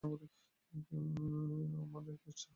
আমার একই ইচ্ছা।